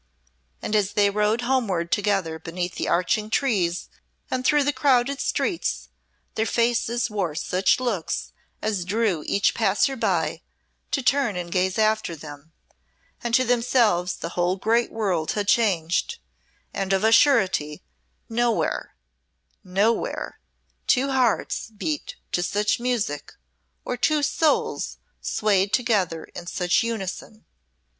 And as they rode homeward together beneath the arching trees and through the crowded streets, their faces wore such looks as drew each passer by to turn and gaze after them, and to themselves the whole great world had changed; and of a surety, nowhere, nowhere, two hearts beat to such music, or two souls swayed together in such unison.